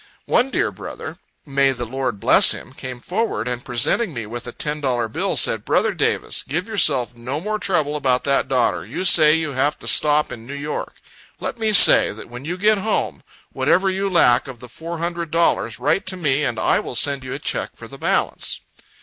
One dear brother, (may the Lord bless him!) came forward, and presenting me with a ten dollar bill, said, "Brother Davis, give yourself no more trouble about that daughter. You say you have to stop in New York. Let me say, that when you get home, whatever you lack of the four hundred dollars, write to me, and I will send you a check for the balance."